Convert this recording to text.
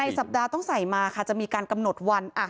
สัปดาห์ต้องใส่มาค่ะจะมีการกำหนดวัน